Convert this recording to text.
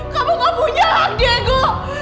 kamu gak punya hak dego